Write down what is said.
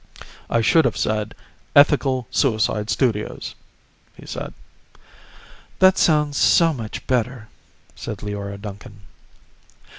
"I should have said, 'Ethical Suicide Studios,'" he said. "That sounds so much better," said Leora Duncan.